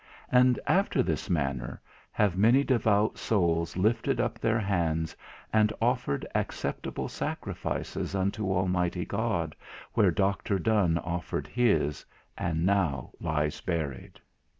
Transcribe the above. And after this manner have many devout souls lifted up their hands and offered acceptable sacrifices unto Almighty God, where Dr. Donne offered his, and now lies buried.